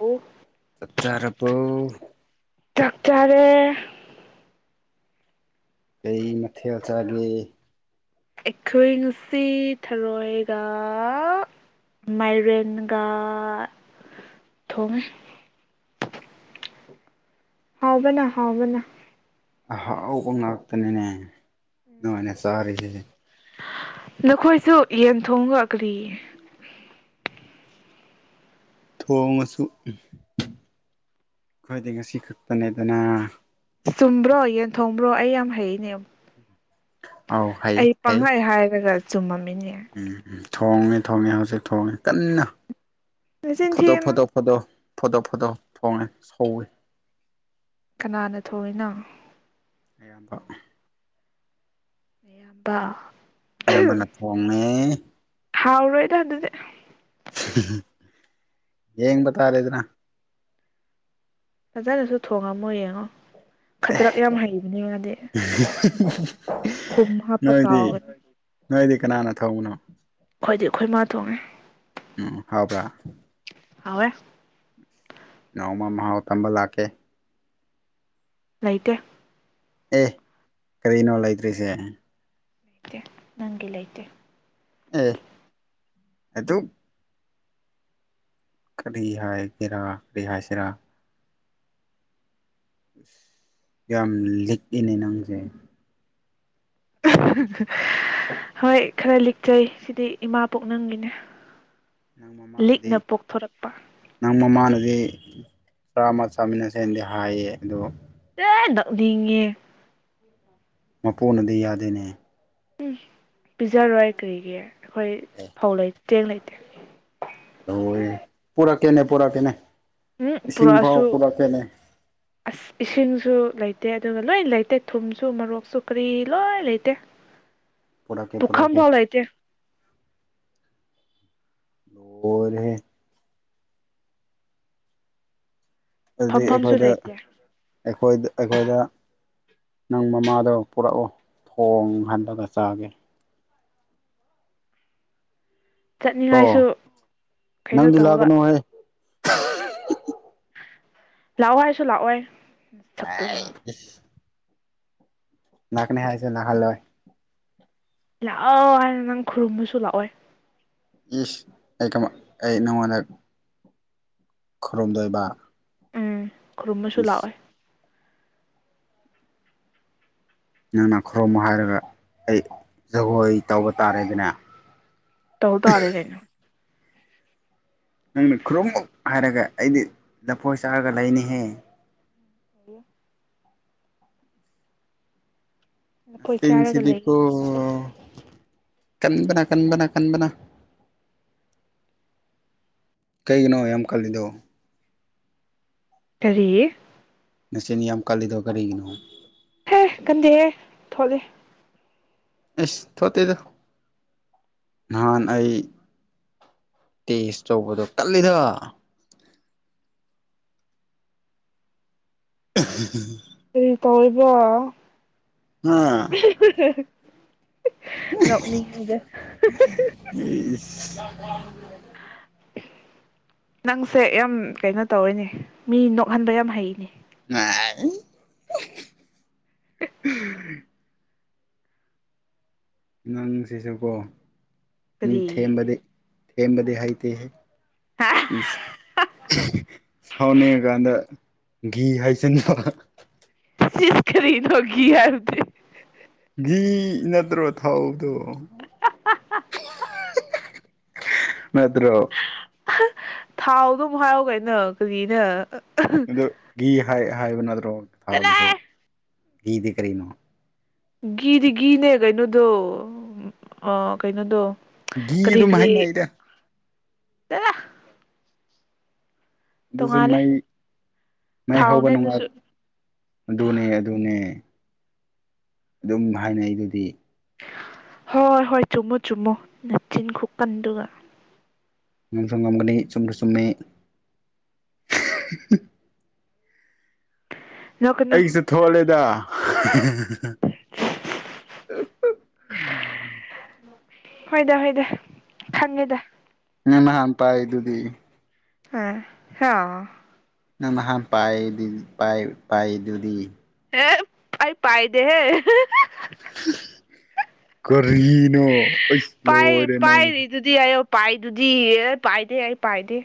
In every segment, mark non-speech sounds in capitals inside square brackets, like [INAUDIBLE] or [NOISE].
ꯑꯣ ꯆꯛ ꯆꯥꯔꯕꯣ ꯆꯥꯛ ꯆꯥꯔꯦ ꯀꯔꯤ ꯃꯊꯦꯜ ꯆꯥꯒꯦ ꯑꯩꯈꯣꯏ ꯉꯁꯤ ꯊꯔꯣꯏꯒ ꯃꯥꯏꯔꯦꯟꯒ ꯊꯣꯡꯉꯦ ꯍꯥꯎꯕꯅꯥ ꯍꯥꯎꯕꯅ ꯑꯍꯥꯎꯕ ꯉꯥꯛꯇꯅꯤꯅꯦ ꯅꯣꯏꯅ ꯆꯥꯔꯤꯁꯤꯗꯤ ꯅꯈꯣꯏꯁꯨ ꯌꯦꯟ ꯊꯣꯡꯉꯒ ꯀꯔꯤ ꯊꯣꯡꯉꯁꯨ ꯑꯩꯈꯣꯏꯗꯤ ꯉꯁꯤ ꯈꯛꯇꯅꯦꯗꯅ ꯆꯨꯝꯕ꯭ꯔꯣ ꯌꯦꯟ ꯊꯣꯡꯕ꯭ꯔꯣ ꯑꯩ ꯌꯥꯝ ꯍꯩꯅꯦ ꯑꯧ ꯍꯩ ꯑꯩ ꯍꯩ ꯄꯥꯡꯍꯥꯏ ꯍꯥꯏꯔꯒ ꯆꯨꯝꯃꯝꯃꯤꯅꯦ ꯎꯝ ꯎꯝ ꯊꯣꯡꯉꯤ ꯊꯣꯡꯉꯦ ꯍꯧꯖꯤꯛ ꯊꯣꯡꯉꯤ ꯀꯟꯅ ꯅꯆꯤꯟ ꯐꯣꯇꯣꯛ ꯊꯤꯒꯅꯨ ꯐꯣꯇꯣꯛ ꯐꯣꯇꯣ ꯐꯣꯇꯣ ꯐꯣꯇꯣ ꯊꯣꯡꯉꯦ ꯁꯧꯋꯦ ꯀꯅꯥꯅ ꯊꯣꯡꯉꯤꯅꯣ ꯑꯌꯥꯝꯕ ꯅꯌꯥꯝꯕ ꯑꯌꯥꯝꯕꯅ ꯊꯣꯡꯉꯦ ꯍꯥꯎꯔꯣꯏꯗ ꯑꯗꯨꯗꯤ [UNINTELLIGIBLE] ꯌꯦꯡꯕ ꯇꯥꯔꯦꯗꯅꯥ ꯐꯖꯅꯁꯨ ꯊꯣꯉꯝꯃꯣ ꯌꯦꯡꯉꯣ ꯈꯗ꯭ꯔꯛ ꯌꯥꯝ ꯍꯩꯕꯅꯦ ꯃꯥꯗꯤ ꯊꯨꯝ [UNINTELLIGIBLE] ꯍꯥꯞꯄ [UNINTELLIGIBLE] ꯅꯣꯏꯗꯤ ꯀꯥꯎꯒꯅꯤ ꯅꯣꯏꯗꯤ ꯀꯅꯥꯅ ꯊꯣꯡꯕꯅꯣ ꯈꯣꯏꯗꯤ ꯑꯩꯈꯣꯏ ꯃꯥ ꯊꯣꯡꯉꯦ ꯎꯝ ꯍꯥꯎꯕ꯭ꯔꯥ ꯍꯥꯎꯑꯦ ꯅꯥꯎꯃ ꯃꯍꯥꯎ ꯇꯝꯕ ꯂꯥꯛꯀꯦ ꯂꯩꯇꯦ ꯑꯦ ꯀꯔꯤꯅꯣ ꯂꯩꯇ꯭ꯔꯤꯁꯦ ꯇꯦ ꯅꯪꯒꯤ ꯂꯩꯇꯦ ꯑꯦ ꯑꯗꯨꯛ ꯀꯔꯤ ꯍꯥꯏꯒꯦꯔꯥ ꯀ꯭ꯔꯤ ꯍꯥꯏꯁꯤꯔꯥ ꯌꯥꯝ ꯂꯤꯛꯏꯅꯦ ꯅꯪꯁꯦ [UNINTELLIGIBLE] ꯍꯣꯏ ꯈꯔ ꯂꯤꯛꯆꯩ ꯁꯤꯗꯤ ꯏꯃꯥ ꯄꯨꯛꯅꯨꯡꯒꯤꯅꯦ ꯅꯪ ꯃꯃꯥꯅꯗꯤ ꯄꯣꯛꯊꯣꯔꯛꯄ ꯅꯪ ꯃꯃꯥꯅꯗꯤ ꯆꯔꯥꯃ ꯆꯥꯃꯤꯟꯅꯁꯦꯅꯗꯤ ꯍꯥꯏꯌꯦ ꯑꯗꯣ ꯅꫭꯛꯅꯤꯡꯉꯦ ꯃꯄꯨꯅꯗꯤ ꯌꯥꯗꯦꯅꯦ ꯎꯝ ꯄꯤꯖꯔꯣꯏ ꯀ꯭ꯔꯤꯒꯤ ꯑꯩꯈꯣꯏ ꯑꯦ ꯐꯧ ꯂꯩ ꯆꯦꯡ ꯂꯩꯇꯦ ꯂꫭꯏꯔꯦꯍꯦ ꯄꯨꯔꯛꯀꯦꯅꯦ ꯄꯨꯔꯛꯀꯦꯅꯦ ꯎꯝ ꯏꯁꯤꯡ ꯕꯥꯎ ꯄꯨꯔꯛꯑꯁꯨ ꯄꯨꯂꯛꯀꯦꯅꯦ ꯑꯁ ꯏꯁꯤꯡꯁꯨ ꯂꯩꯇꯦ ꯑꯗꯨꯒ ꯂꯣꯏ ꯂꯩꯇꯦ ꯊꯨꯝꯁꯨ ꯃꯣꯔꯣꯛꯁꯨ ꯀꯔꯤ ꯂꯣꯏ ꯂꯩꯇꯦ [INAUDIBLE] ꯄꯨꯈꯝ ꯄꯨꯔꯛꯀꯦ ꯐꯥꯎ ꯂꯩꯇꯦ ꯂꫭꯔꯦꯍꯦ ꯑꯗꯨꯗꯤ ꯐꯝꯐꯝꯁꯨ ꯑꯩꯈꯣꯏꯗ ꯂꯩꯇꯦ ꯑꯩꯈꯣꯏ ꯑꯩꯈꯣꯏꯗ ꯅꯪ ꯃꯃꯥꯗꯣ ꯄꯨꯔꯛꯑꯣ ꯊꯣꯡ ꯍꯟꯔꯒ ꯆꯥꯒꯦ ꯀꯣ ꯆꯠꯅꯤꯡꯉꯥꯏꯁꯨ ꯀꯩꯩꯅꯣ ꯅꯪꯗꯤ ꯇꯧꯕ ꯂꯥꯛꯀꯅꯨꯍꯦ ꯂꯥꯛꯑꯣ ꯍꯥꯏꯁꯨ ꯂꯥꯛꯑꯣꯏ ꯁꯛꯇꯨꯒ ꯑꯥꯏ ꯏꯁ ꯂꯥꯛꯀꯅꯤ ꯍꯥꯏꯁꯨ ꯂꯥꯛꯍꯜꯂꯣꯏ ꯂꯥꯛꯑꯣ ꯍꯥꯏꯅ ꯅꯪ ꯈꯨꯔꯨꯝꯃꯁꯨ ꯂꯥꯛꯑꯣꯏ ꯏꯁ ꯑꯩ ꯀꯃ ꯑꯩ ꯅꯉꯣꯟꯗ ꯈꯨꯔꯨꯝꯗꯣꯏꯕ ꯈꯨꯔꯨꯝꯃꯁꯨ ꯏꯁ ꯂꯥꯛꯑꯣꯏ ꯅꯪꯅ ꯈꯨꯔꯨꯝꯃꯣ ꯍꯥꯏꯔꯒ ꯑꯩ ꯖꯒꯣꯏ ꯇꯧꯕ ꯇꯥꯔꯦꯗꯅ ꯇꯧ ꯇꯥꯔꯦ ꯀꯩꯅꫭ ꯅꯪꯅ ꯈꯨꯔꯨꯝꯃꯨꯛ ꯍꯥꯏꯔꯒ ꯑꯩꯗꯤ ꯂꯐꯣꯏ ꯆꯥꯔꯒ ꯂꯩꯅꯤꯍꯦ ꯑꯦ ꯂꯐꯣꯏ ꯇꯤꯟ ꯆꯥꯔꯒ ꯁꯤꯗꯤ ꯂꯩ ꯀꯣ ꯀꯟꯕꯅ ꯀꯟꯕꯅ ꯀꯟꯕꯅ ꯀꯩꯒꯤꯅꯣ ꯌꯥꯝ ꯀꯜꯂꯤꯗꯣ ꯀꯔꯤ ꯅꯆꯤꯟ ꯌꯥꯝ ꯀꯜꯂꯤꯗꯣ ꯀꯔꯤꯒꯤꯅꯣ ꯑꯦ ꯀꯟꯗꯦꯍꯦ ꯊꯣꯠꯂꯤ ꯏꯁ ꯊꯣꯠꯇꯦꯗ ꯅꯍꯥꯟ ꯑꯩ ꯇꯦꯁ ꯇꯧꯕꯗꯣ ꯀꯜꯂꯤꯗ [UNINTELLIGIBLE] ꯀꯔꯤ ꯇꯧꯔꯤꯕꯣ ꯍꯥ ꯅꯣꯛꯅꯤꯡꯉꯤꯗ ꯏꯁ ꯅꯪꯁꯦ ꯌꯥꯝ ꯀꯩꯅꯣ ꯇꯧꯋꯦꯅꯦ ꯃꯤ ꯅꯣꯛꯍꯟꯕ ꯌꯥꯝ ꯍꯩꯅꯦ [UNINTELLIGIBLE] ꯅꯪꯁꯤꯖꯨꯀꯣ ꯃꯤ ꯀꯔꯤ ꯊꯦꯝꯕꯗꯤ ꯇꯦꯝꯕꯗꯤ ꯍꯩꯇꯦꯍꯦ ꯏꯁ ꯁꯥꯎꯅꯤꯉ ꯀꯥꯟꯗ ꯒꯤ ꯍꯩꯆꯤꯟꯕ ꯀꯔꯤꯅꯣ ꯒꯤ ꯍꯥꯏꯕꯗꯤ ꯒꯤ ꯅꯠꯇ꯭ꯔꯣ ꯊꯥꯎꯗꯣ ꯅꯠꯗ꯭ꯔꯣ ꯊꯥꯎꯗꯨꯝ ꯍꯥꯏꯌꫭ ꯀꯩꯅꯣ ꯀꯔꯤꯅꯣ ꯑꯗꯨ ꯒꯤ ꯍꯥꯏ ꯍꯥꯏꯕ ꯅꯠꯗ꯭ꯔꯣ ꯊꯥꯕꯎꯗꯨꯁꯨ ꯆꯠꯂꯣꯍꯦ ꯒꯤꯗꯤ ꯀꯔꯤꯅꯣ ꯒꯤꯗꯤ ꯒꯤꯅꯦ ꯀꯩꯅꯣꯗꯣ ꯑ ꯀꯩꯅꯣꯗꯣ ꯘꯤ ꯀꯔꯤ ꯑꯗꯨꯝ ꯀꯔꯤ ꯍꯥꯏꯅꯩꯗ [UNINTELLIGIBLE] ꯗꯨꯖꯨ ꯇꯣꯡꯉꯥꯜꯂꯦ ꯃꯩ ꯃꯩ ꯍꯧꯕ ꯊꯥꯎꯅꯦ ꯅꯨꯡꯉꯥꯏ ꯑꯗꯨꯁꯨ ꯑꯗꯨꯅꯦ ꯑꯗꯨꯅꯦ ꯗꯨꯝ ꯍꯥꯏꯅꯩ ꯗꯨꯗꯤ ꯍꯣꯏ ꯍꯣꯏ ꯆꯨꯝꯃꯣ ꯆꯨꯝꯃꯣ ꯅꯆꯤꯟ ꯈꯨꯀꯟꯗꯨꯒ ꯉꯝꯁꯨ ꯉꯝꯒꯅꯤ ꯆꯨꯝꯁꯨ ꯆꯨꯝꯃꯤ [UNINTELLIGIBLE] ꯅꯣꯛꯀꯅꯨ ꯑꯩꯖꯨ ꯊꯣꯠꯂꯦꯗ ꯍꯣꯏꯗ ꯍꯣꯏꯗ ꯈꯪꯉꯦꯗ ꯅꯪ ꯅꯍꯥꯟ ꯄꯥꯏꯗꯨꯗꯤ ꯍꯣꯏ [UNINTELLIGIBLE] ꯅꯪ ꯅꯍꯥꯟ ꯄꯥꯏꯔꯤ ꯄꯥꯏ ꯄꯥꯏꯗꯨꯗꯤ ꯍꯦ ꯑꯩꯥ ꯄꯥꯏꯗꯦꯍꯦ ꯀꯔꯤꯅꯣ ꯑꯩꯁ ꯂꯣꯏꯔꯦ ꯅꯪꯁꯦ ꯗꯤ ꯑꯩꯌꯣ ꯄꯥꯏꯗꯨꯗꯤ ꯑꯦ ꯄꯥꯏꯗꯦ ꯑꯩ ꯄꯥꯏꯗꯦ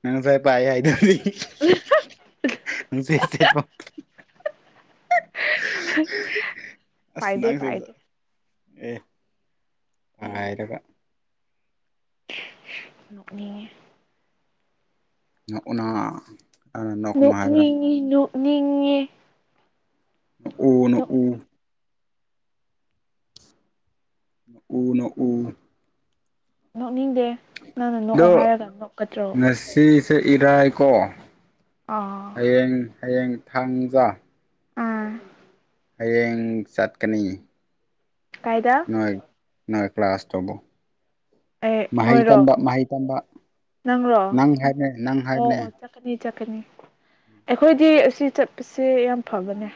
ꯅꯪ ꯉꯁꯥꯏ ꯄꯥꯏ ꯍꯥꯏꯗꯨꯗꯤ [UNINTELLIGIBLE] [INAUDIBLE] ꯑꯁ ꯄꯥꯏꯗꯦ ꯅꯪꯁꯦ ꯄꯥꯏꯗꯦ ꯑꯦ ꯍꯥꯏꯔꯒ ꯅꯣꯛꯅꯤꯡꯉꯦ ꯅꯣꯛꯎꯅ ꯅꯣꯛꯀꯅꯨ ꯍꯥꯏꯕ꯭ꯔꯥ ꯅꯣꯛꯅꯤꯡꯉꯤ ꯅꯣꯛꯅꯤꯡꯉꯦ ꯎꯅ ꯅꯣꯛ ꯎ ꯅꯣꯛꯎ ꯅꯣꯛꯎ ꯅꯣꯛꯅꯤꯡꯗꯦ ꯅꯪꯅ ꯅꯣꯛꯑꯣ ꯗꯣ ꯍꯥꯏꯔꯒ ꯅꯣꯛꯀꯗ꯭ꯔꯣ ꯉꯁꯤꯁ ꯏꯔꯥꯏ ꯀꯣ ꯑꯥ ꯍꯌꯦꯡ ꯍꯌꯦꯡ ꯊꯥꯡꯖꯥ ꯑꯥ ꯍꯌꯦꯡ ꯆꯠꯀꯅꯤ ꯀꯥꯏꯗ ꯅꯣꯏ ꯅꯣꯏ ꯀ꯭ꯂꯥꯁ ꯇꯧꯕꯣ ꯑꯦ ꯃꯍꯩ ꯇꯝꯕ ꯅꯣꯏꯔꯣ ꯃꯍꯩ ꯇꯝꯕ ꯅꯪ ꯍꯥꯏꯕꯅꯦ ꯅꯪ ꯍꯥꯏꯕꯅꯦ ꯀꯔꯤ ꯆꯠꯀꯅꯤ ꯑꯩꯈꯣꯏꯗꯤ ꯑꯁꯤ ꯆꯠꯄꯁꯦ ꯌꯥꯝ ꯐꯕꯅꯦ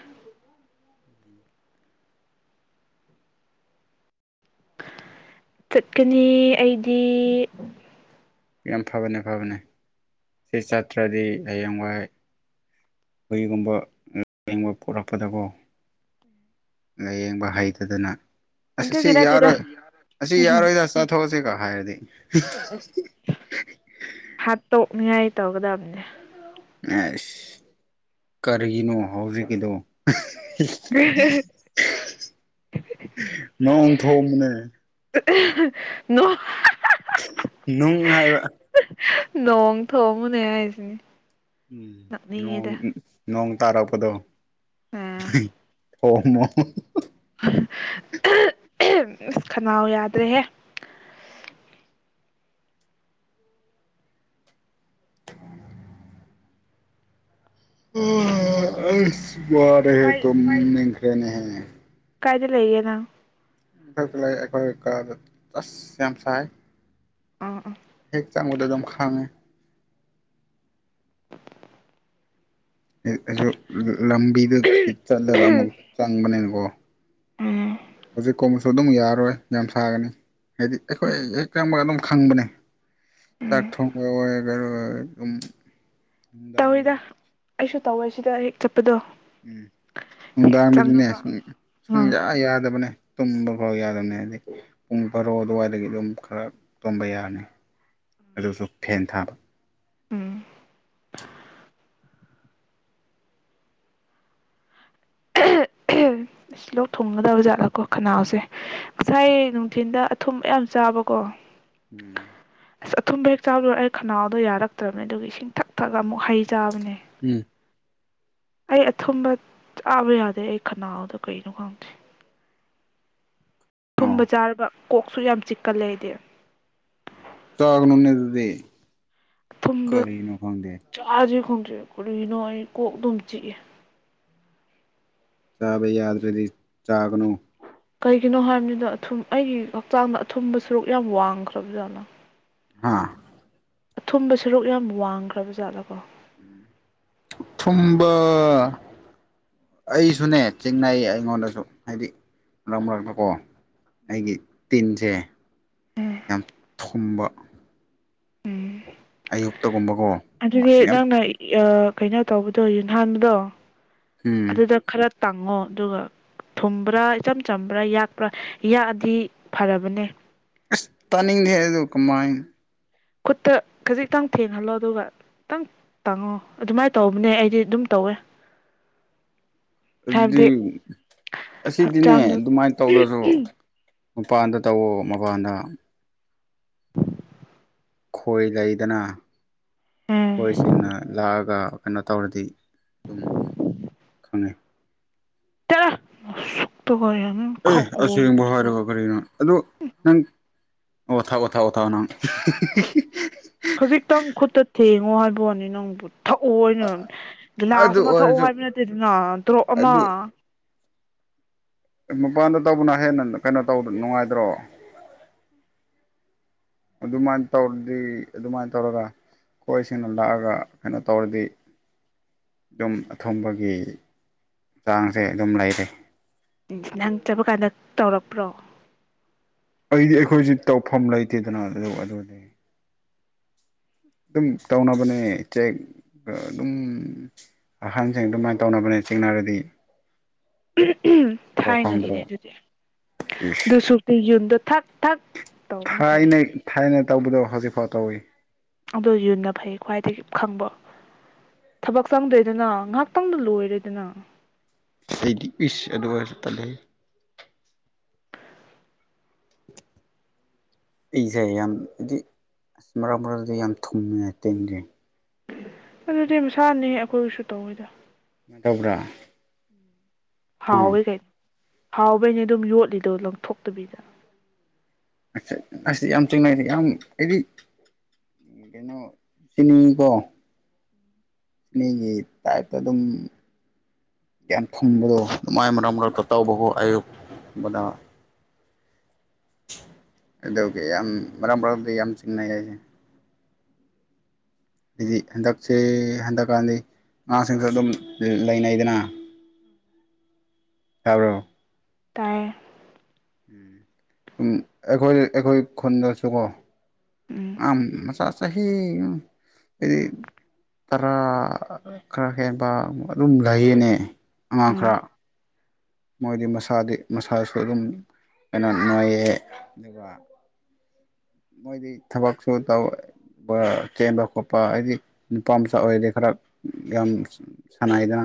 ꯆꯠꯀꯅꯤ ꯑꯩꯗꯤ ꯌꯥꯝ ꯐꯕꯅꯦ ꯐꯕꯅꯦ ꯁꯤ ꯆꯠꯇ꯭ꯔꯗꯤ ꯍꯌꯦꯡꯋꯥꯏ ꯀꯔꯤꯒꯨꯝꯕ ꯂꯦꯡꯕ ꯄꯔꯛꯄꯗꯀꯣ ꯂꯥꯏꯌꯦꯡꯕ ꯍꯩꯇꯗꯅ ꯑꯁ ꯁꯤ ꯑꯗꯨꯒꯤ ꯅꯠꯇꯦꯗ ꯌꯥꯔꯣꯏ ꯑꯁꯤ ꯌꯥꯔꯣꯏꯗ ꯆꯠꯊꯣꯛꯑꯁꯤꯀ ꯍꯥꯏꯔꯗꯤ ꯍꯥꯠꯇꯣꯛꯅꯤꯉꯥꯏ ꯇꯧꯒꯗꯕꯅꯦ ꯑꯦꯁ ꯀꯔꯤꯒꯤꯅꯣ ꯍꯧꯖꯤꯛꯀꯤꯗꯣ ꯅꯣꯡ ꯊꯣꯡꯕꯅꯦ ꯅꯣ ꯅꯨꯡ ꯍꯥꯏꯕ ꯅꯣꯡ ꯊꯣꯡꯃꯣꯅꯦ ꯍꯥꯏꯖꯤꯅꯤ ꯎꯝ ꯅꯣꯡ ꯅꯣꯡ ꯇꯥꯔꯛꯄꯗꯣ ꯑꯥ ꯊꯣꯝꯃꯣ [UNINTELLIGIBLE] ꯏꯁ ꯈꯅꯥꯎ ꯌꯥꯗ꯭ꯔꯦꯍꯦ ꯑ ꯑꯁ ꯋꯥꯔꯦꯍꯦ ꯀꯥꯏ ꯇꯨꯝ ꯅꯤꯡꯈ꯭ꯔꯦꯅꯦꯍ ꯀꯥꯏꯗ ꯂꯩꯌꯦ ꯅꯪ ꯃꯊꯛꯇ ꯂꯩ ꯑꯩꯈꯣꯏ ꯀꯥꯗ ꯑꯁ ꯌꯥꯝ ꯁꯥꯏ ꯑꯥ ꯑꯥ ꯍꯦꯛ ꯆꯪꯕꯗ ꯑꯗꯨꯝ ꯈꯥꯡꯉꯦ ꯑꯩꯁꯨ ꯂꯝꯕꯤꯗꯒꯤ ꯆꯠꯂꯒ ꯑꯃꯨꯛ ꯆꯪꯕꯅꯤꯅꯀꯣ ꯎꯝ ꯍꯧꯖꯤꯛ ꯀꯣꯝꯃꯁꯨ ꯑꯗꯨꯝ ꯌꯥꯔꯣꯏ ꯌꯥꯝ ꯁꯥꯒꯅꯤ ꯍꯥꯏꯗꯤ ꯑꯩꯈꯣꯏ ꯍꯦꯛ ꯆꯪꯕꯒ ꯑꯗꯨꯝ ꯈꯪꯕꯅꯦ ꯆꯥꯛ ꯎꯝ ꯊꯣꯡꯕ ꯑꯣꯏꯒꯔ ꯑꯣꯏ ꯑꯗꯨꯝ ꯇꯧꯔꯤꯗ ꯅꯨꯡꯗꯥꯡꯗꯗꯤ ꯑꯩꯁꯨ ꯇꯧꯋꯦ ꯁꯤꯗ ꯍꯦꯛ ꯆꯠꯄꯗꯣ ꯎꯝ ꯍꯦꯛ ꯅꯨꯡꯗꯥꯡꯗꯗꯤꯅꯦ ꯆꯪꯉꯕ ꯁꯨꯝ ꯑꯥ ꯁꯨꯡꯌꯥ ꯌꯥꯗꯕꯅꯦ ꯇꯨꯝꯕ ꯐꯥꯎ ꯌꯥꯗꯕꯅꯤ ꯍꯥꯏꯗꯤ ꯄꯨꯡ ꯕꯔꯣ ꯑꯗꯨꯋꯥꯏꯗꯒꯤ ꯑꯗꯨꯝ ꯈꯔ ꯇꯨꯝꯕ ꯌꯥꯔꯅꯤ ꯑꯗꯨꯁꯨ ꯐꯦꯟ ꯊꯥꯕ ꯎꯝ [UNINTELLIGIBLE] ꯑꯁ ꯂꯣꯛ ꯊꯨꯡꯒꯗꯕ ꯖꯥꯠꯂꯥꯀꯣ ꯈꯅꯥꯎꯁꯦ ꯉꯁꯥꯏ ꯅꯨꯡꯊꯤꯟꯗ ꯑꯊꯨꯝ ꯃꯌꯥꯝ ꯆꯥꯕꯀꯣ ꯎꯝ ꯑꯁ ꯑꯊꯨꯝꯕ ꯍꯦꯛ ꯆꯥꯕ ꯑꯩ ꯈꯅꯥꯎꯗꯣ ꯌꯥꯔꯛꯇ꯭ꯔꯕꯅꯦ ꯑꯗꯨꯒꯤ ꯏꯁꯤꯡ ꯊꯛ ꯊꯛꯑ ꯑꯃꯨꯛ ꯍꯩ ꯆꯥꯕꯅꯦ ꯎꯝ ꯑꯩ ꯑꯊꯨꯝꯕ ꯆꯥꯕ ꯌꯥꯗꯦ ꯑꯩ ꯈꯅꯥꯎꯗꯣ ꯀꯩꯒꯤꯅꯣ ꯈꯪꯗꯦ ꯑꯥꯎ ꯊꯨꯝꯕ ꯆꯥꯔꯕ ꯀꯣꯛꯁꯨ ꯌꯥꯝ ꯆꯤꯛꯀ ꯂꯩꯗꯤ ꯆꯥꯒꯅꯨꯅꯦ ꯑꯗꯨꯗꯤ ꯊꯨꯝꯕ ꯀꯔꯤꯅꯣ ꯈꯪꯗꯦ ꯆꯥꯥꯁꯦ ꯈꯪꯗ꯭ꯔꯤ ꯀꯔꯤꯅꯣ ꯑꯩ ꯀꯣꯛ ꯑꯗꯨꯨꯝ ꯆꯤꯛꯑꯦ ꯆꯥꯕ ꯌꯥꯗ꯭ꯔꯗꯤ ꯆꯥꯒꯅꯨ ꯀꯩꯒꯤꯅꯣ ꯍꯥꯏꯕꯅꯤꯗ ꯑꯊꯨꯝ ꯑꯩꯒꯤ ꯍꯛꯆꯥꯡꯗ ꯑꯊꯨꯝꯕ ꯁꯔꯨꯛ ꯌꯥꯝ ꯋꯥꯡꯈ꯭ꯔꯕ ꯖꯥꯠꯂꯥ ꯍꯥꯥ ꯑꯊꯨꯝꯕ ꯁꯔꯨꯛ ꯌꯥꯝ ꯋꯥꯡꯈ꯭ꯔꯕ ꯖꯥꯠꯂꯥꯀꯣ ꯎꯝ ꯊꯨꯝꯕ ꯑꯩꯁꯨꯅꯦ ꯊꯦꯡꯅꯥꯏꯌꯦ ꯑꯩꯉꯣꯟꯗꯁꯨ ꯍꯥꯏꯗꯤ ꯃꯔꯛ ꯃꯔꯛꯇꯀꯣ ꯑꯩꯒꯤ ꯇꯤꯟꯁꯦ ꯌꯥꯝ ꯊꯨꯝꯕ ꯑꯌꯨꯛꯇ ꯒꯨꯝꯕꯀꯣ ꯑꯗꯨꯗꯤ ꯅꯪꯅ ꯑ ꯀꯩꯅꯣ ꯇꯧꯕꯗꯣ ꯌꯨꯟꯍꯥꯟꯕꯗꯣ ꯎꯝ ꯑꯗꯨꯗ ꯈꯔ ꯇꯥꯡꯉꯣ ꯑꯗꯨꯒ ꯊꯨꯝꯕ꯭ꯔꯥ ꯏꯆꯝ ꯆꯝꯕ꯭ꯔꯥ ꯌꯥꯛꯄ꯭ꯔꯥ ꯌꯥꯛꯑꯗꯤ ꯐꯔꯕꯅꯦ ꯑꯁ ꯇꯥꯅꯤꯡꯗꯦ ꯑꯗꯣ ꯀꯃꯥꯏꯅ ꯈꯨꯠꯇ ꯈꯖꯤꯛꯇꯪ ꯊꯦꯡꯍꯜꯂꯣ ꯑꯗꯨꯒ ꯈꯤꯇꯪ ꯇꯥꯡꯉꯣ ꯑꯗꯨꯃꯥꯏꯅ ꯇꯧꯕꯅꯦ ꯑꯩꯗꯤ ꯑꯗꯨꯝ ꯇꯧꯋꯦ [UNINTELLIGIBLE] ꯑꯗꯨꯗꯤ ꯍꯥꯏꯕꯗꯤ ꯑꯁꯤꯗꯤꯅꯦ ꯍꯛꯆꯥꯡꯗꯣ ꯑꯗꯨꯃꯥꯏꯅ ꯇꯧꯔꯁꯨ ꯅꯨꯄꯥꯥꯟꯗ ꯇꯧꯋꯣ ꯃꯕꯥꯟꯗ ꯈꯣꯏ ꯂꯩꯗꯅ ꯎꯝ ꯈꯣꯏꯁꯤꯡꯅ ꯂꯥꯛꯑꯒ ꯀꯩꯅꯣ ꯇꯧꯔꯗꯤ ꯑꯗꯨꯝ ꯈꯪꯉꯦ ꯀ꯭ꯌꯥ ꯅꯁꯛꯇꯨꯒ ꯌꯥꯅꯤꯡ ꯑꯦ ꯑꯁꯦꯡꯕ ꯍꯥꯏꯔꯒ ꯀꯔꯤꯅꯣ ꯑꯗꯣ ꯅꯪ ꯑꯣ ꯊꯥꯎꯑꯣ ꯊꯥꯎꯑꯣ ꯊꯥꯎꯑꯣ ꯅꯪ [UNINTELLIGIBLE] ꯈꯖꯤꯛꯇꯪ ꯈꯨꯠꯇ ꯊꯦꯡꯉꯣ ꯍꯥꯏꯕ ꯋꯥꯅꯤ ꯅꯪꯕꯨ ꯊꯛꯑꯣ ꯑꯣꯏꯅ ꯒꯤꯂꯥꯁ ꯑꯗꯨ ꯑꯃ ꯊꯛꯑꯣ ꯑꯣꯏꯔꯁꯨ ꯍꯥꯏꯕ ꯅꯠꯇꯦꯗꯅ ꯗ꯭ꯔꯣꯞ ꯑꯃ ꯑꯗꯨ ꯃꯄꯥꯟꯗ ꯇꯧꯕꯅ ꯍꯦꯟꯅ ꯀꯩꯅꯣ ꯇꯧꯗ ꯅꯨꯡꯉꯥꯏꯗ꯭ꯔꯣ ꯑꯗꯨꯃꯥꯏꯅ ꯇꯧꯔꯗꯤ ꯑꯗꯨꯃꯥꯏꯅ ꯇꯧꯔꯒ ꯑꯣꯏꯁꯤꯡꯅ ꯂꯥꯛꯑꯒ ꯀꯩꯅꯣ ꯇꯧꯔꯗꯤ ꯗꯨꯝ ꯑꯊꯨꯝꯕꯒꯤ ꯆꯥꯡꯁꯦ ꯑꯗꯨꯝ ꯂꯩꯔꯦ ꯅꯪ ꯆꯠꯄ ꯀꯥꯟꯗ ꯇꯧꯔꯛꯄ꯭ꯔꯣ ꯑꯩꯗꯤ ꯑꯩꯈꯣꯏꯁꯤ ꯇꯧꯐꯝ ꯂꯩꯇꯦꯗꯅ ꯑꯗꯨ ꯑꯗꯨꯗꯤ ꯗꯨꯝ ꯇꯧꯅꯕꯅꯦ ꯆꯦꯛ ꯑꯗꯨꯝ ꯑꯍꯟꯁꯤꯡ ꯑꯗꯨꯃꯥꯏ ꯇꯧꯅꯕꯅꯦ ꯆꯤꯡꯅꯔꯗꯤ ꯄꯥꯎ ꯈꯪꯗ꯭ꯔꯣ ꯊꯥꯏꯅꯒꯤꯅꯦ ꯗꯨꯗꯤ ꯑꯗꯨ ꯏꯁ ꯁꯨꯛꯇꯤ ꯌꯨꯝꯗꯣ ꯊꯛ ꯊꯛ ꯇꯧꯕꯅ ꯐꯩ ꯊꯥꯏꯅꯩ ꯊꯥꯏꯅ ꯇꯧꯕꯗꯣ ꯍꯧꯖꯤꯛꯐꯥꯎ ꯇꯧꯋꯤ ꯑꯗꯨꯗꯣ ꯌꯨꯟꯅ ꯐꯩ ꯈ꯭ꯋꯥꯏꯗꯒꯤ ꯈꯪꯕ ꯊꯕꯛ ꯆꯪꯗ꯭ꯔꯦꯗꯅ ꯉꯍꯥꯛꯇꯪꯗ ꯂꯣꯏꯔꯦꯗꯅ ꯁꯤꯒꯤ ꯎꯤꯁ ꯑꯗꯨ ꯑꯣꯏꯔꯁꯨ ꯇꯜꯂꯦꯍꯦ ꯑꯩꯁꯦ ꯌꯥꯝ ꯑꯗꯤ ꯑꯁ ꯃꯔꯛ ꯃꯔꯥꯡꯗꯤ ꯌꯥꯝ [UNINTELLIGIBLE] ꯑꯗꯨꯗꯤ ꯃꯁꯥꯅꯤ ꯑꯩꯈꯣꯏꯁꯨ ꯇꯧꯋꯤꯗ ꯇꯧꯕ꯭ꯔꯥ ꯑꯣ ꯍꯥꯎꯋꯦ ꯀꯩꯅꯣ ꯍꯥꯎꯕꯩꯩꯅꯦ ꯗꯨꯝ ꯌꯣꯠꯂꯤꯗꯣ ꯂꯪꯊꯣꯛꯇꯕꯤꯗ ꯅꯪꯁꯦ ꯌꯥꯝ ꯆꯤꯡꯅꯩ ꯌꯥꯝ ꯑꯩꯗꯤ ꯀꯩꯅꯣ ꯆꯤꯅꯤꯀꯣ ꯃꯤꯒꯤ ꯇꯥꯏꯞꯇ ꯗꯨꯝ ꯌꯥꯝ ꯊꯨꯝꯕꯗꯣ ꯑꯗꯨꯃꯥꯏ ꯃꯔꯛ ꯃꯔꯛꯇ ꯇꯧꯕꯈꯣ ꯑꯌꯨꯛꯕꯗ ꯑꯗꯨꯒꯤ ꯌꯥꯝ ꯃꯔꯛ ꯃꯔꯛꯗ ꯌꯥꯝ ꯆꯤꯡꯅꯩ ꯍꯥꯏꯁꯦ ꯍꯥꯏꯗꯤ ꯍꯟꯗꯛꯁꯦ ꯍꯟꯗꯛꯀꯥꯟꯗꯤ ꯑꯉꯥꯁꯤꯡꯁꯨ ꯑꯗꯨꯝ ꯂꯩꯅꯩꯗꯅ ꯇꯥꯕ꯭ꯔꯣ ꯇꯥꯏꯌꯦ ꯎꯝ ꯎꯝ ꯑꯩꯈꯣꯏ ꯑꯩꯈꯣꯏ ꯈꯨꯟꯗꯁꯨꯀꯣ ꯎꯝ ꯑꯉꯥꯡ ꯃꯆꯥ ꯆꯍꯤ ꯎꯝ ꯍꯥꯏꯗꯤ ꯇꯔꯥ ꯈꯔ ꯍꯦꯟꯕ ꯑꯗꯨꯝ ꯂꯩꯌꯦꯅꯦ ꯑꯉꯥꯡ ꯈꯔ ꯎꯝ ꯃꯣꯏꯗꯤ ꯃꯁꯥꯗꯤ ꯃꯁꯥꯁꯨ ꯑꯗꯨꯝ ꯀꯩꯅꯣ ꯅꯣꯏꯌꯦ ꯑꯗꯨꯒ ꯃꯣꯏꯗꯤ ꯊꯕꯛꯁꯨ ꯇꯧ ꯆꯦꯟꯕ ꯈꯣꯠꯄ ꯍꯥꯏꯗꯤ ꯅꯨꯄꯥ ꯃꯆꯥ ꯑꯣꯏꯔꯗꯤ ꯈꯔ ꯌꯥꯝ ꯁꯥꯟꯅꯥꯏꯗꯅ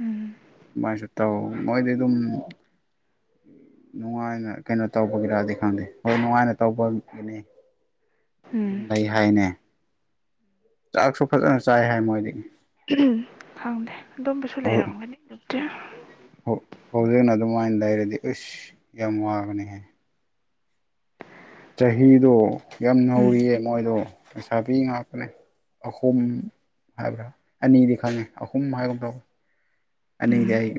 ꯎꯝ ꯑꯗꯨꯃꯥꯏꯁꯨ ꯇꯧ ꯃꯣꯏꯗꯤ ꯗꯨꯝ ꯅꯨꯡꯉꯥꯏꯅ ꯀꯩꯅꯣ ꯇꯧꯕꯒꯤꯔꯗꯤ ꯈꯪꯗꯦ ꯍꯣꯏ ꯅꯨꯡꯉꯥꯏꯅ ꯇꯧꯕ ꯕꯅꯦ ꯎꯝ ꯗꯨꯝ ꯂꯩ ꯍꯥꯏꯅꯦ ꯆꯥꯛꯁꯨ ꯐꯖꯅ ꯆꯥꯏ ꯍꯥꯏ ꯃꯣꯏꯗꯤ ꯈꯪꯗꯦ ꯑꯗꯨꯝꯕꯁꯨ ꯂꯩꯔꯝꯒꯅꯤ ꯗꯨꯛꯇꯤ ꯍꯣ ꯍꯣꯔꯦꯟ ꯑꯗꯨꯃꯥꯏꯟ ꯂꯩꯔꯗꯤ ꯑꯁ ꯌꯥꯝ ꯋꯥꯒꯅꯤꯍꯦ ꯆꯍꯤꯗꯣ ꯌꯥꯝ ꯎꯝ ꯅꯧꯔꯤꯌꯦ ꯃꯣꯏꯗꯣ ꯂꯩꯁꯥꯕꯤ ꯉꯥꯛꯇꯅꯦ ꯑꯍꯨꯝ ꯍꯥꯏꯕ꯭ꯔꯥ ꯑꯅꯤꯗꯤ ꯈꯪꯉꯦ ꯑꯍꯨꯝ ꯍꯥꯏꯒꯨꯝ ꯇꯧ ꯑꯅꯤꯗꯤ ꯎꯝ ꯑꯩ